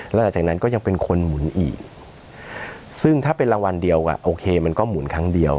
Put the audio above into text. แล้วหลังจากนั้นก็ยังเป็นคนหมุนอีกซึ่งถ้าเป็นรางวัลเดียวโอเคมันก็หมุนครั้งเดียว